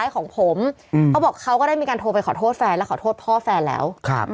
เขาบอกเขาก็ได้มีการโทรไปขอโทษแฟนแล้ว